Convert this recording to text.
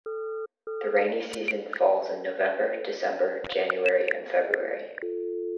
The rainy season falls in November, December, January, and February.